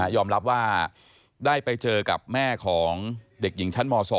ยอมรับว่าได้ไปเจอกับแม่ของเด็กหญิงชั้นม๒